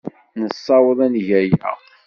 Nessaweḍ ad neg aya.